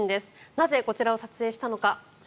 なぜ、こちらを撮影したのか。